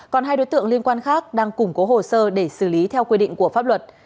còn hai đối tượng liên quan khác đang củng cố hồ sơ để xử lý theo quy định của pháp luật